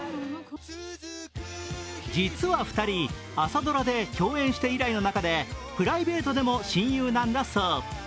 実は２人、朝ドラで共演して以来の仲でプライベートでも親友なんだそう。